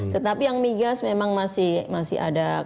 tetapi yang migas memang masih ada